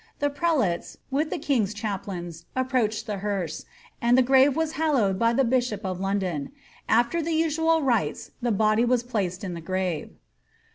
The prelatesi viih the king^ chaplains, approached the hearse, and the grave was ^hal lowed by the bishop of London; after the usual rites the body was placed in the giare.